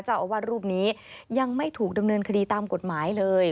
เจ้าอาวาสรูปนี้ยังไม่ถูกดำเนินคดีตามกฎหมายเลย